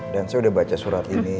dan saya udah baca surat ini